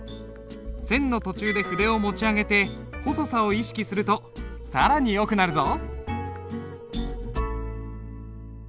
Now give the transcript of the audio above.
線の途中で筆を持ち上げて細さを意識すると更によくなるぞ。